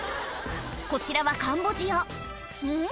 こちらはカンボジアうん？